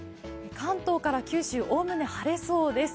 関東から九州、おおむね晴れそうです。